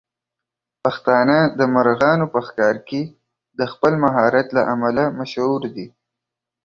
پښتانه د مرغانو په ښکار کې د خپل مهارت له امله مشهور دي.